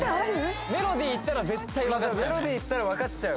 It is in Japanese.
メロディ言ったら分かっちゃう